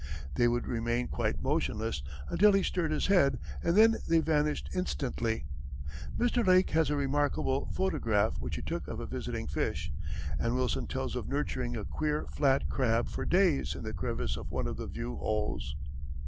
They would remain quite motionless until he stirred his head, and then they vanished instantly. Mr. Lake has a remarkable photograph which he took of a visiting fish, and Wilson tells of nurturing a queer flat crab for days in the crevice of one of the view holes.